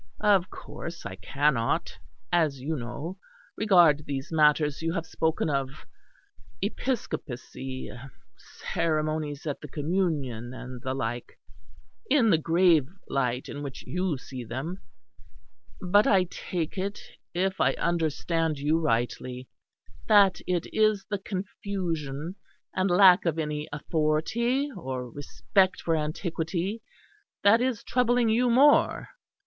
Of course I cannot, as you know, regard these matters you have spoken of episcopacy, ceremonies at the Communion and the like in the grave light in which you see them; but I take it, if I understand you rightly, that it is the confusion and lack of any authority or respect for antiquity that is troubling you more.